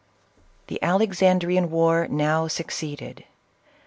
The Alexandrean war now succeeded.